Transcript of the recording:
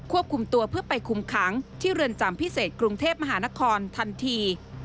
ควบคุมตัวเพื่อไปคุมขังที่เรือนจำพิเศษกรุงเทพมหานครทันที